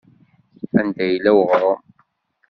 Anda yella weɣṛum?